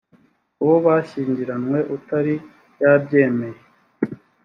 uwo bashyingiranywe utari yabyemeye